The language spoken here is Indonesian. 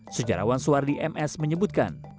sejarawan suardi ms menyebutkan